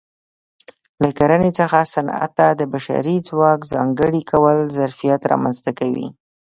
له کرنې څخه صنعت ته د بشري ځواک ځانګړي کول ظرفیت رامنځته کوي